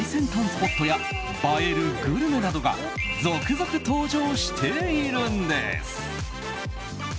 スポットや映えるグルメなどが続々登場しているんです。